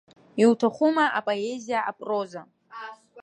Иуҭахума апоезиа, апроза?